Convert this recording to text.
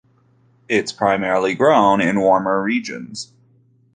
It is primarily grown in warmer regions.